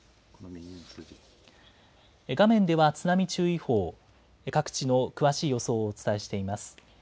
画面では津波注意報、各地の詳しい予想をお伝えしています。